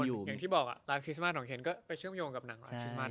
เรื่องศิลปินมันคุยกันเรื่องศิลปิน